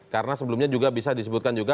karena sebelumnya juga bisa disebutkan juga